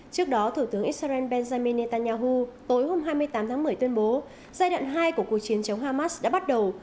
trước đó thủ tướng israel benjamin netanyahu tối hôm hai mươi tám tháng một mươi tuyên bố giai đoạn hai của cuộc chiến chống hamas đã bắt đầu